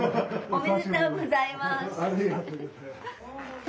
ありがとうございます。